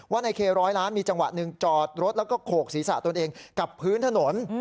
ในเคร้อยล้านมีจังหวะหนึ่งจอดรถแล้วก็โขกศีรษะตนเองกับพื้นถนน